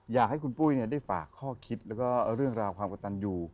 อยากให้คุณปุ้ยได้ฝากข้อคิดแล้วก็เรื่องราวความกระตันอยู่